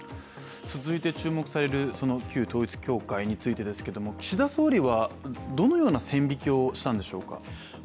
続いて注目される旧統一教会についてですけれども、岸田総理は、どのような線引きをしたんでしょうか？